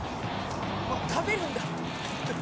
食べるんだ！？